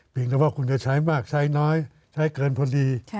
เพียงเป็นว่าคุมจะใช้มากใช้น้อยใช้เกินพอดี